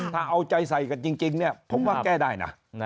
ถ้าเอาใจใส่กันจริงเนี่ยผมว่าแก้ได้นะ